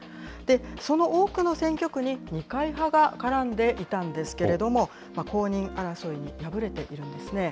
その多くの選挙区に二階派が絡んでいたんですけれども、公認争いに敗れているんですね。